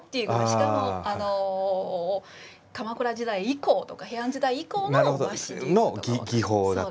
しかも鎌倉時代以降とか平安時代以降の和紙。の技法だと。